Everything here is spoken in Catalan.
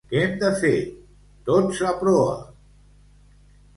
—Què hem de fer? —Tots a proa.